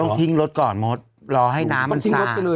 ต้องทิ้งรถก่อนระหว่ะรอให้น้ำมันตาย